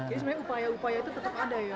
jadi sebenarnya upaya upaya itu tetap ada ya